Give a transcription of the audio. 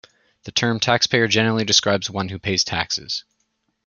The term taxpayer generally describes one who pays taxes.